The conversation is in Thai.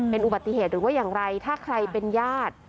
เป็นอุบัติเหตุหรือว่าอย่างไรถ้าใครเป็นญาติ